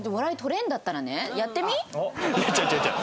違う違う違う。